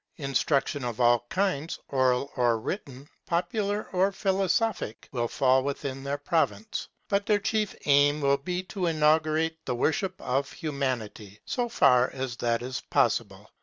Instruction of all kinds, oral or written, popular or philosophic, will fall within their province; but their chief aim will be to inaugurate the worship of Humanity so far as that is possible.